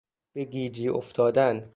به گیجی افتادن